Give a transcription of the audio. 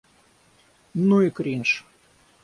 Ну и кринж!